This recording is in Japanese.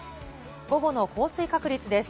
午後の降水確率です。